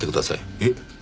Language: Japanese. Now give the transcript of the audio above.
えっ？